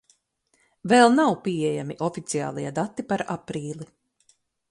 Vēl nav pieejami oficiālie dati par aprīli.